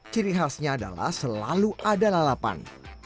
ciri khasnya adalah selalu ada lalapan